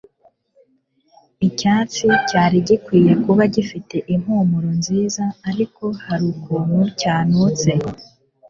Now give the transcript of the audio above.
Icyatsi cyari gikwiye kuba gifite impumuro nziza, ariko hari ukuntu cyanutse.